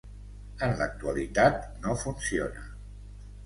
En l'actualitat no funciona.